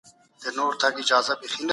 میاشت لا نه وه